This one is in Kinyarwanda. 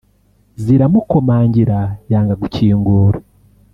ziramukomangira yanga gukingura